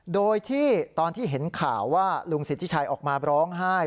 โดยที่ตอนที่เห็นข่าวว่าลุงสิทธิชัยออกมาร้องไห้